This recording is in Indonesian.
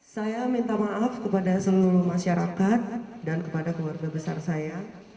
saya minta maaf kepada seluruh masyarakat dan kepada keluarga besar saya